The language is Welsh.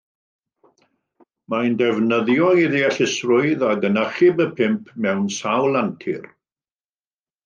Mae'n defnyddio ei ddeallusrwydd ac yn achub y pump mewn sawl antur.